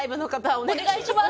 お願いします。